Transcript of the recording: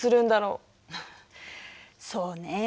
そうね。